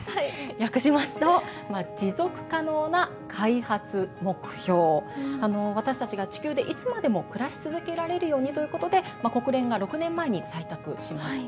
訳しますと私たちが地球でいつまでも暮らし続けられるようにということで国連が６年前に採択しました。